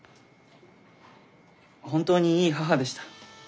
本当にいい母でした。